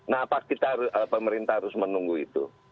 nah pasti pemerintah harus menunggu itu